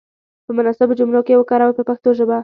په مناسبو جملو کې یې وکاروئ په پښتو ژبه.